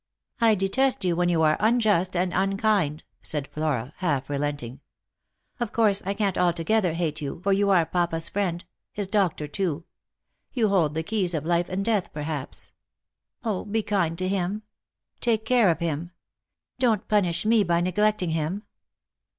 " I detest you when you are unjust and unkind," said Flora, half relenting. " Of course I can't altogether hate you, for you are papa's friend — his doctor too. You hold the keys of life and death, perhaps. 0, be kind to him — take care of him ! Don't punish me by neglecting him."